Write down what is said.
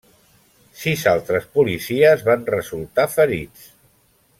Sis altres policies van resultar ferits.